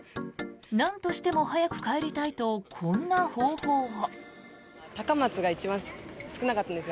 なんとしても早く帰りたいとこんな方法を。